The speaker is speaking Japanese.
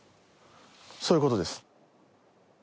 そういうことです。